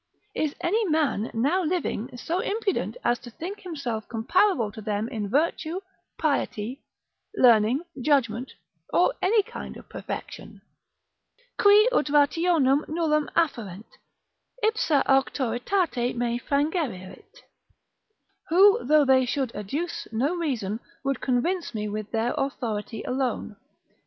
Is any man now living so impudent as to think himself comparable to them in virtue, piety, learning, judgment, or any kind of perfection? "Qui, ut rationem nullam afferrent, ipsa auctoritate me frangerent." ["Who, though they should adduce no reason, would convince me with their authority alone."